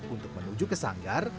untuk menuju ke sanggar